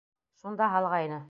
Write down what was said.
Шунда һалғайны!